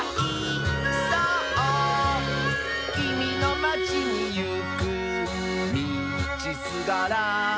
「きみのまちにいくみちすがら」